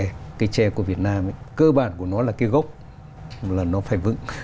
cái khái niệm của việt nam cơ bản của nó là cái gốc là nó phải vững